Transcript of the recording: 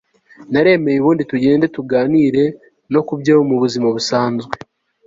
naremeye ubundi tugenda tuganira no kubyo mu buzima busanzwe